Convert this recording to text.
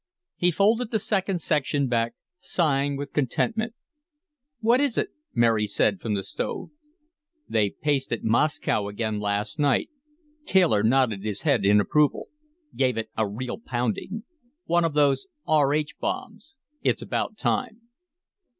He folded the second section back, sighing with contentment. "What is it?" Mary said, from the stove. "They pasted Moscow again last night." Taylor nodded his head in approval. "Gave it a real pounding. One of those R H bombs. It's about time."